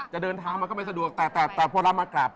จะเดินทางมาก็ไม่สะดวกแต่พอเรามากลับ